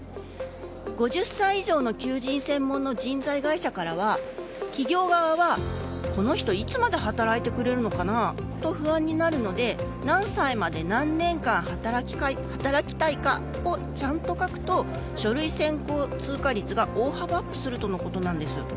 ５０歳以上の求人専門の人材会社からは企業側は、この人いつまで働いてくれるのかなと不安になるので何歳まで何年間働きたいかをちゃんと書くと書類選考通過率が大幅アップするとのことなんです。